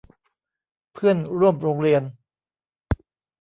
เพื่อนร่วมโรงเรียน